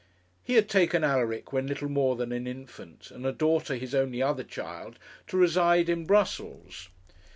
He had taken Alaric when little more than an infant, and a daughter, his only other child, to reside in Brussels.